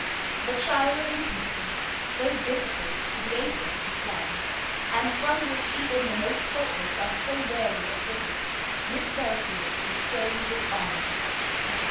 The trial of intimacy, so difficult to the ablest to stand, and from which even the most faultless are so rarely acquitted, Miss Belfield sustained with honour.